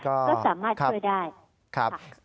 เพราะว่าถ้าหากเราต้องการมันมากขึ้นก็สามารถช่วยได้